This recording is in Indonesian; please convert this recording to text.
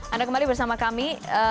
anda kembali bersama kami